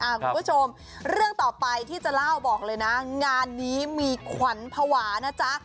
คุณผู้ชมเรื่องต่อไปที่จะเล่าบอกเลยนะงานนี้มีขวัญภาวะนะจ๊ะ